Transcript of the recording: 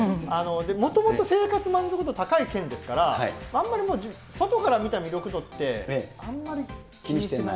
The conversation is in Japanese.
もともと生活満足度高い県ですから、あんまりもう、外から見た魅力度って、あんまり気にして気にしてない？